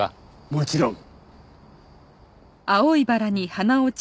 もちろん。